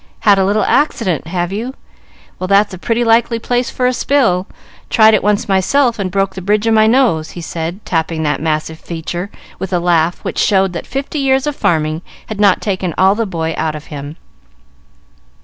"Had a little accident, have you? Well, that's a pretty likely place for a spill. Tried it once myself and broke the bridge of my nose," he said, tapping that massive feature with a laugh which showed that fifty years of farming had not taken all the boy out of him.